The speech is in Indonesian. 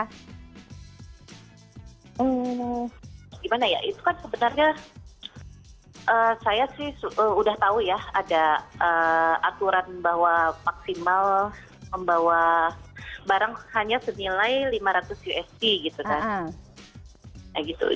hmm gimana ya itu kan sebenarnya saya sih sudah tahu ya ada aturan bahwa maksimal membawa barang hanya senilai lima ratus usg gitu kan